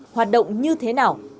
hoạt động như thế nào